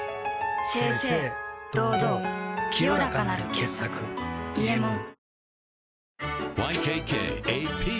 清々堂々清らかなる傑作「伊右衛門」ＹＫＫＡＰ